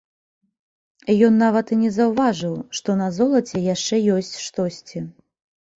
Ён нават і не заўважыў, што на золаце яшчэ ёсць штосьці.